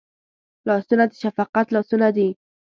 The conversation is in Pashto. لاسونه د شفقت لاسونه دي